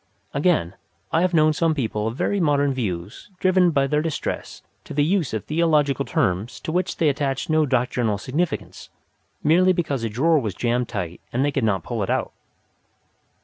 Again, I have known some people of very modern views driven by their distress to the use of theological terms to which they attached no doctrinal significance, merely because a drawer was jammed tight and they could not pull it out.